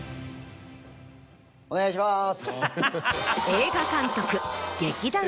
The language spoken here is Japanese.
お願いします。